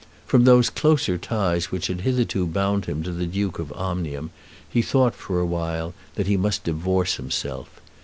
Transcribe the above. From those closer ties which had hitherto bound him to the Duke of Omnium he thought, for a while, that he must divorce himself.